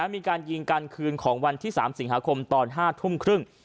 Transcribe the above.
มีการยิงกันคืนของวันที่๓สิงหาคมตอน๕ทุ่มครึ่ง